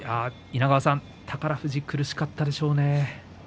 稲川さん、宝富士ここまで苦しかったでしょうね。